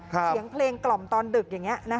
เสียงเพลงกล่อมตอนดึกอย่างนี้